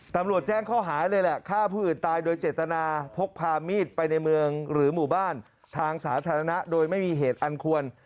ตำรวจแจ้งข้อหาเลยแหละฆ่าผู้อื่นตายโดยเจตนาพกพามีดไปในเมืองหรือหมู่บ้านทางสาธารณะโดยไม่มีเหตุอันควร